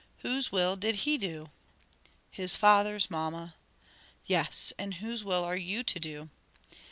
Whose will did he do?" "His Father's, mamma." "Yes, and whose will are you to do?"